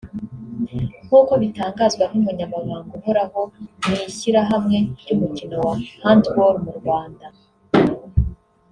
nk’uko bitangazwa n’umunyamabanga uhoraho mu Ishyirahamwe ry’Umukino wa Handball mu Rwanda